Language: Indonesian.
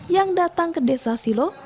yang datang ke desa silo